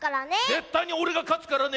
ぜったいにおれがかつからね！